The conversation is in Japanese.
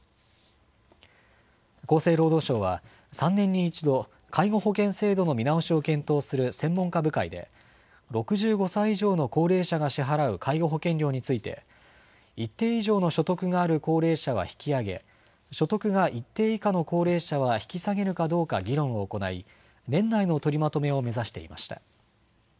厚生労働省は３年に１度、介護保険制度の見直しを検討する専門家部会で６５歳以上の高齢者が支払う介護保険料について一定以上の所得がある高齢者は引き上げ、所得が一定以下の高齢者は引き下げるかどうか議論を行い年内の取りまとめを目指していました。